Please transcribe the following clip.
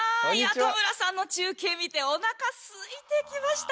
田村さんの中継見ておなかすいてきました！